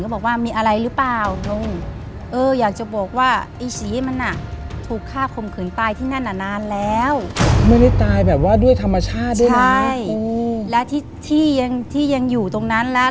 แต่ว่าด้วยธรรมชาติด้วยนะใช่โอ้แล้วที่ที่ยังที่ยังอยู่ตรงนั้นแล้ว